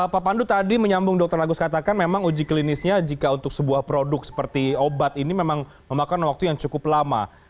pak pandu tadi menyambung dr agus katakan memang uji klinisnya jika untuk sebuah produk seperti obat ini memang memakan waktu yang cukup lama